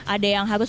ada yang harus